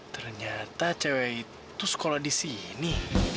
ternyata cewek itu sekolah disini